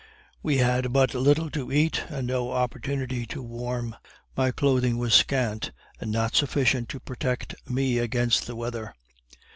We had but little to eat, and no opportunity to warm; my clothing was scant, and not sufficient to protect me against the weather.